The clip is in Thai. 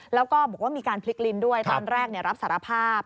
แล้วก็บอกว่ามีการพลิกลิ้นด้วยตอนแรกรับสารภาพ